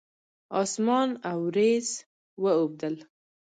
اسمان اوریځ واوبدل